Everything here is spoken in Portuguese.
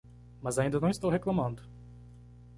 Mas ainda não estou reclamando.